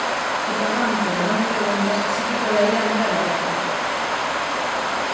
E tocante ao que me preguntas, si que quedaría moi abraiado.